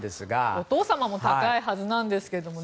お父様も高いはずなんですけどね。